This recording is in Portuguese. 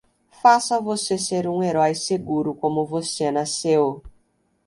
Faça você ser um herói seguro como você nasceu!